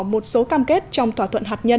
một số cam kết trong thỏa thuận hạt nhân